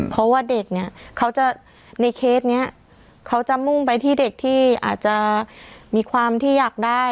เพราะว่าเด็กเนี่ยเขาจะในเคสนี้เขาจะมุ่งไปที่เด็กที่อาจจะมีความที่อยากได้